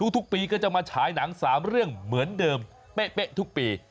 ทุกปีก็จะมาฉายหนัง๓เรื่องเหมือนเดิมเป๊ะทุกปี